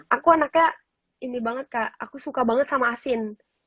aku anaknya ini banget kak aku suka banget sama asin